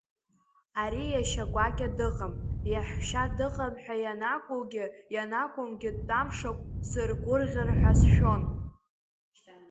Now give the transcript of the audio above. Ари иашьа гәакьа дыҟам, иаҳәшьа дыҟам ҳәа ианакәугьы ианакәымгьы, ҭәамшьашақә, сыргәыӷьыр ҳәа сшәон.